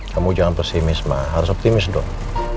kamu jangan pesimis mbak harus optimis dong